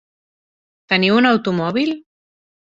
Teniu un automòbil?